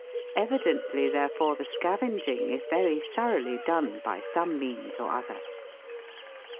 Evidently, therefore, the scavenging is very thoroughly done by some means or other.